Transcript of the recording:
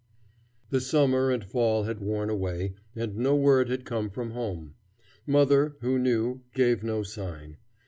The summer and fall had worn away, and no word had come from home. Mother, who knew, gave no sign.